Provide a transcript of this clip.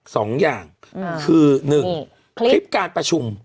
สองอย่างคือหนึ่งคลิปการประชุม